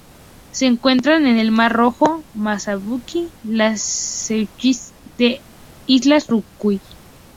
Se encuentra en el Mar Rojo, Mozambique, las Seychelles e Islas Ryukyu.